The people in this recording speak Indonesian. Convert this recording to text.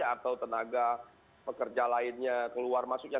atau tenaga pekerja lainnya keluar masuknya